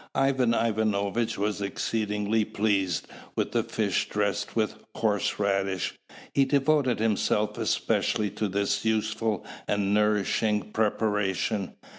Ivan Ivanovitch was exceedingly pleased with the fish dressed with horse radish. He devoted himself especially to this useful and nourishing preparation.